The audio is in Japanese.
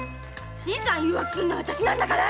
新さん誘惑するのは私なんだから！